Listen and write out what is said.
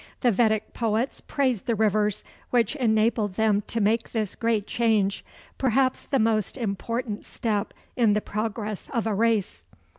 The Vedic poets praised the rivers which enabled them to make this great change perhaps the most important step in the progress of a race.